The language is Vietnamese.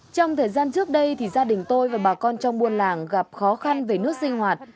trong thời gian trước đây thì gia đình tôi và bà con trong buôn làng gặp khó khăn về nước sinh hoạt